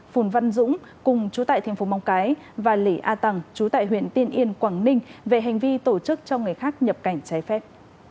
phùn văn dũng cùng chú tại thành phố mong cái và lỉ a tằng chú tại huyện tiên yên quảng ninh về hành vi tổ chức cho người khác nhập cảnh trái phép